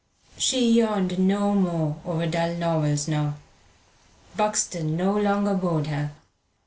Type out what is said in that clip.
She yawned no more over dull novels now Buxton no longer bored her.